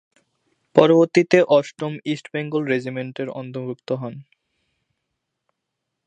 পরবর্তীতে অষ্টম ইস্ট বেঙ্গল রেজিমেন্টে অন্তর্ভুক্ত হন।